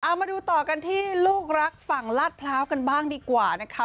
เอามาดูต่อกันที่ลูกรักฝั่งลาดพร้าวกันบ้างดีกว่านะคะ